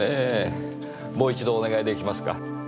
もう一度お願いできますか。